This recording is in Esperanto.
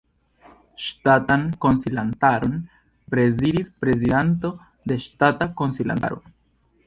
Ŝtatan Konsilantaron prezidis Prezidanto de Ŝtata Konsilantaro.